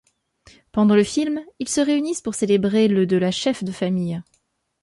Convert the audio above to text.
Pendant le film, ils se réunissent pour célébrer le de la chef de famille.